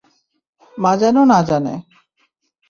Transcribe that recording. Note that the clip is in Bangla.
মা যেন না জানে।